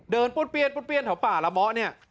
เดินปุ๊ดเปรี้ยนถาวป่าละหมอ